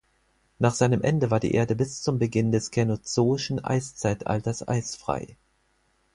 Nach seinem Ende war die Erde bis zum Beginn des känozoischen Eiszeitalters eisfrei.